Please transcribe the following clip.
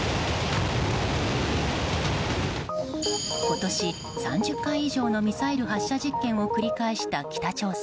今年、３０回以上のミサイル発射実験を繰り返した北朝鮮。